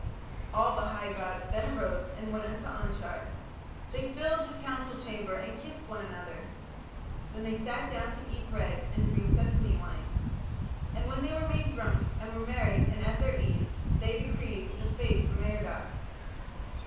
All the high gods then arose and went unto Anshar, They filled his council chamber and kissed one another. Then they sat down to eat bread and drink sesame wine. And when they were made drunk and were merry and at their ease, they decreed the fate for Merodach.